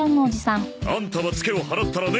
アンタはツケを払ったらね！